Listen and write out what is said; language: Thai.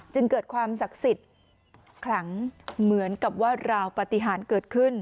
จึงเกิดความศักดิ์สิทธิ์ขลังเหมือนกับว่าราวปฏิหารเกิดขึ้น